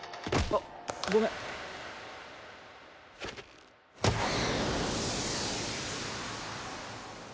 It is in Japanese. あっごめん。